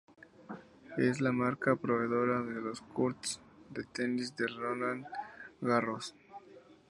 Es la marca proveedora de los courts de tenis de Roland Garros.